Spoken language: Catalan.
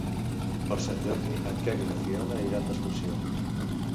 Per Sant Jordi en Quer i na Fiona iran d'excursió.